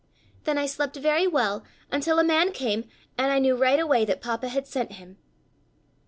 "Then I slept very well, until a man came, and I knew right away that Papa had sent him."